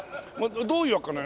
どういうわけかね